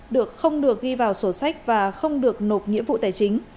được không được ghi vào sổ sách và không được nộp nghĩa vụ tài chính